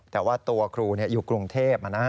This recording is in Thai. แต่ว่าตัวครูอยู่กรุงเทพ